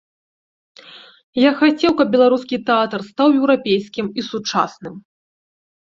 Я хацеў, каб беларускі тэатр стаў еўрапейскім і сучасным.